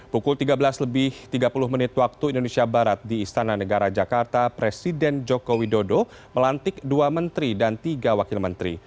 pukul tiga belas lebih tiga puluh menit waktu indonesia barat di istana negara jakarta presiden joko widodo melantik dua menteri dan tiga wakil menteri